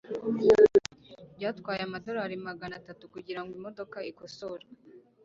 byatwaye amadolari magana atatu kugirango imodoka ikosorwe